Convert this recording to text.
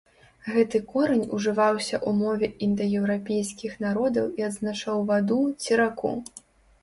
Гэты корань ужываўся ў мове індаеўрапейскіх народаў і азначаў ваду ці, раку.